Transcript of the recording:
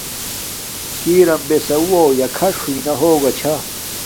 کݵ رَم بݺ سَوُّہ. یݳ کھݳݽ ہݸئنݳ ہݸگݳ چھݳ نِکِنݺ.